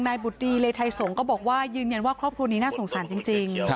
บุตรดีเลไทยสงฆ์ก็บอกว่ายืนยันว่าครอบครัวนี้น่าสงสารจริง